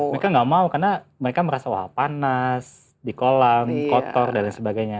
mereka nggak mau karena mereka merasa wah panas di kolam kotor dan lain sebagainya